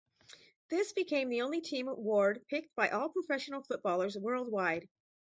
This became the only team award picked by all professional footballers worldwide.